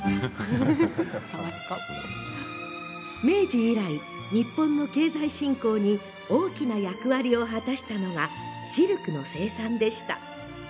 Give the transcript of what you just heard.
明治以来、日本の経済振興に大きな役割を果たしたのがシルクの生産でした。